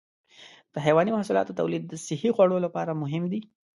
د حيواني محصولاتو تولید د صحي خوړو لپاره مهم دی.